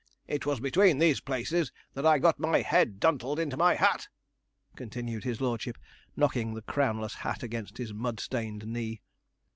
It was between these places that I got my head duntled into my hat,' continued his lordship, knocking the crownless hat against his mud stained knee.